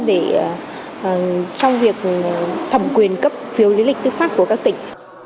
để trong việc thẩm quyền cấp phiếu lý lịch tư pháp của các tỉnh